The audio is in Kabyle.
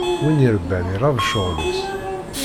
Win irban irab ccɣel-is.